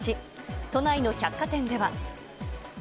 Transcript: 都内の百貨店では。